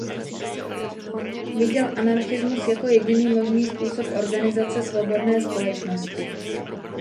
Viděl anarchismus jako jediný možný způsob organizace svobodné společnosti.